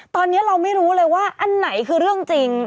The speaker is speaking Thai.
ตอนนี้เราไม่รู้เลยว่าอันไหนคือเรื่องจริง